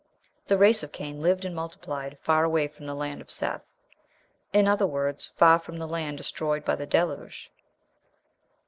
'" The race of Cain lived and multiplied far away from the land of Seth; in other words, far from the land destroyed by the Deluge.